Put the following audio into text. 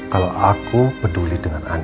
kalau aku peduli dengan anda